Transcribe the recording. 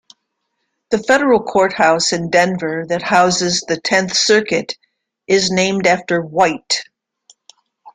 The federal courthouse in Denver that houses the Tenth Circuit is named after White.